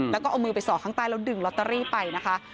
แล้วก็เอามือไปส่อข้างใต้แล้วดึงลอตเตอรี่ไปนะคะ